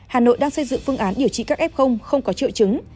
hà nội đang xây dựng phương án điều trị các f không có triệu chứng